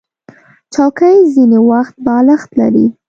چوکۍ ځینې وخت بالښت لري.